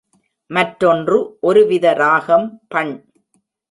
மற்றொன்று ஒருவித ராகம் பண்.